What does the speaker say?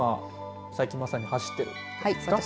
最近まさに走ってるんですか。